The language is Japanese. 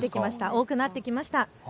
多くなってきました。